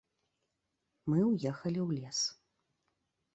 Мы ўехалі ў лес.